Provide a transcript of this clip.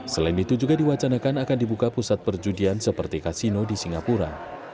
selain itu juga diwacanakan akan dibuka pusat perjudian seperti kasino di singapura